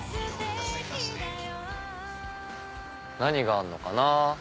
何があるのかな？